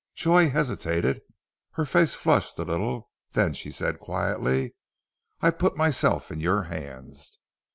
Joy hesitated. Her face flushed a little, then she said quietly, "I put myself in your hands."